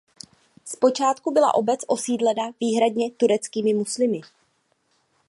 Zpočátku byla obec osídlena výhradně tureckými muslimy.